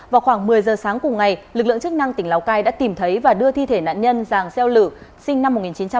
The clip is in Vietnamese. vào khoảng một mươi giờ sáng cùng ngày lực lượng chức năng tỉnh lào cai đã tìm thấy và đưa thi thể nạn nhân giàng xeo lử sinh năm một nghìn chín trăm tám mươi